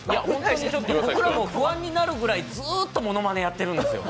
僕らも不安になるくらいずっとものまねやってるんですよ。